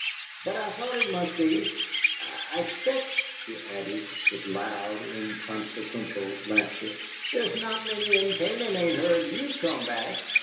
"But I thought it must be. I expect," she added, with loud, inconsequent laughter, "there's not many in Canaan ain't heard you've come back."